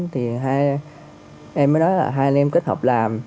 thì em mới nói là hai anh em kết hợp